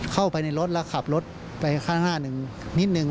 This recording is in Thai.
เข้าไปในรถแล้วขับรถไปข้างหน้าหนึ่งนิดนึง